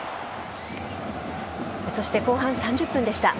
そして後半３０分でした。